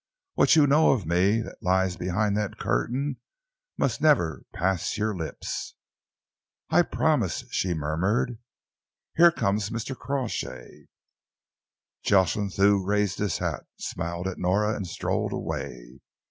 What you know of me that lies behind that curtain, must never pass your lips." "I promise," she murmured. "Here comes Mr. Crawshay." Jocelyn Thew raised his hat, smiled at Nora and strolled away.